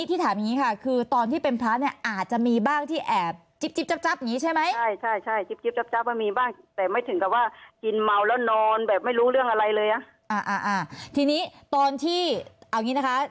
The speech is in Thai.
ทีนี้ตอนที่เป็นพระอาทิตย์เนี่ยอาจจะมีบ้างที่แอบจิ๊บจับอย่างนี้ใช่ไหม